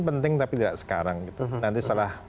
penting tapi tidak sekarang gitu nanti setelah